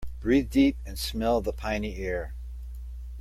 Breathe deep and smell the piny air.